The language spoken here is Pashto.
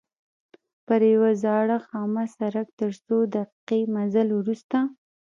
پر یوه زاړه خامه سړک تر څو دقیقې مزل وروسته.